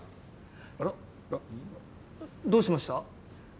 あら？どうしました？